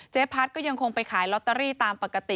พัฒน์ก็ยังคงไปขายลอตเตอรี่ตามปกติ